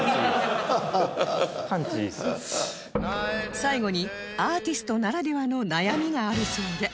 最後にアーティストならではの悩みがあるそうで